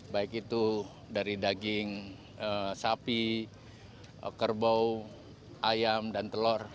baik itu dari daging sapi kerbau ayam dan telur